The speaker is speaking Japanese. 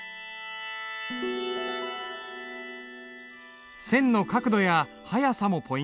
線の角度や速さもポイントだ。